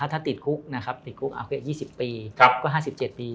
ถ้าติดคุก๒๐ปีก็๕๗ปี